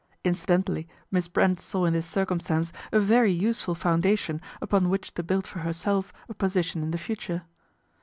Incidentally Miss Brent saw in this circumstance a very useful foundation upon which to build for herself a position in the future.